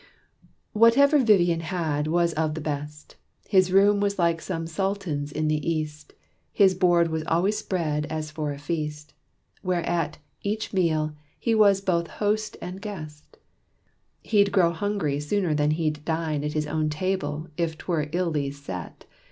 Whatever Vivian had was of the best. His room was like some Sultan's in the East. His board was always spread as for a feast. Whereat, each meal, he was both host and guest. He would go hungry sooner than he'd dine At his own table if 'twere illy set.